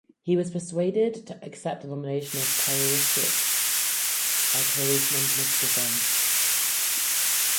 He was persuaded to accept the nomination as Taoiseach by close non-political friends.